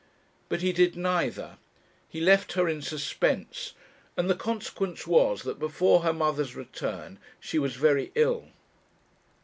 But he did neither; he left her in suspense, and the consequence was that before her mother's return she was very ill.